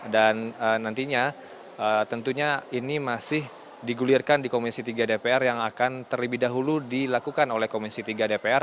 dan nantinya tentunya ini masih digulirkan di komisi tiga dpr yang akan terlebih dahulu dilakukan oleh komisi tiga dpr